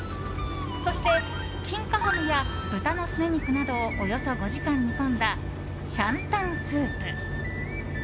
そして、金華ハムや豚のすね肉などをおよそ５時間煮込んだシャンタンスープ。